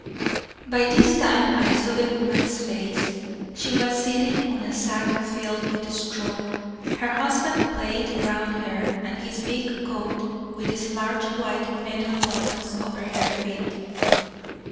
By this time I saw the woman's face; she was sitting on a sack filled with straw, her husband's plaid round her, and his big coat, with its large white metal buttons, over her feet.